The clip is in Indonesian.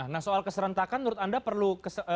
nah soal keserentakan menurut anda perlu